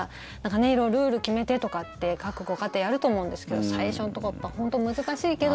色々、ルール決めてとかって各ご家庭あると思うんですけど最初のところは本当難しいけど。